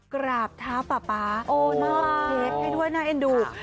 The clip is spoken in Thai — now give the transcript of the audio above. กราบท้าป๊าป๊าโอ้น้องเพชรให้ด้วยน่าเอ็นดูก